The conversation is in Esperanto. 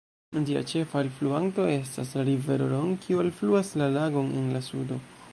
Ĝia ĉefa alfluanto estas la rivero "Ron", kiu alfluas la lagon en la sudo.